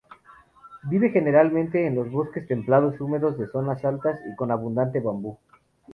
Vive generalmente en los bosques templados húmedos de zonas altas y con abundante bambú.